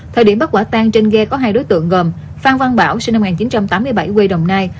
thời điểm bắt quả tan trên ghe có hai đối tượng gồm phan văn bảo sinh năm một nghìn chín trăm tám mươi bảy quê đồng nai